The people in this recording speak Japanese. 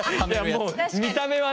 もう見た目はね。